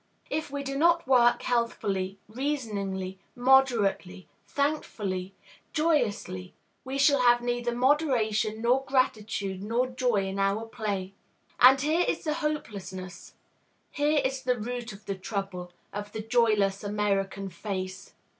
If we do not work healthfully, reasoningly, moderately, thankfully, joyously, we shall have neither moderation nor gratitude nor joy in our play. And here is the hopelessness, here is the root of the trouble, of the joyless American face.